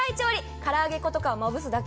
から揚げ粉をまぶすだけ。